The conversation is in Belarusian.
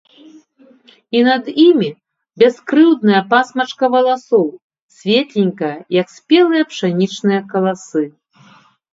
І над імі - бяскрыўдная пасмачка валасоў, светленькая, як спелыя пшанічныя каласы.